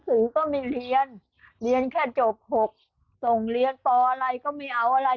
ถึงก็มีเรียนเรียนแค่จบ๖ส่งเรียนปอะไรก็ไม่เอาอะไร